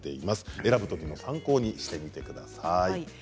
選ぶときに参考にしてください。